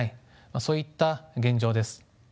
そういった現状です。